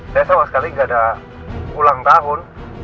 saya sama sekali gak ada ulang tahun